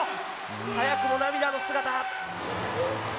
早くも涙の姿。